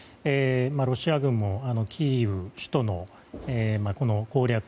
ロシア軍もキーウ首都の攻略